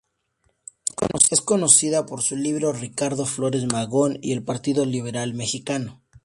Es conocida por su libro "Ricardo Flores Magón y el Partido Liberal Mexicano".